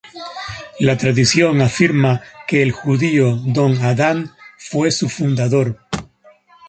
La tradición afirma que el judío Don Adán fue su fundador.